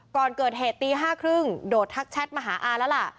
ก่อนเกิดเหตุตี๕๓๐โดดทักแชทมาหาอาแล้วล่ะ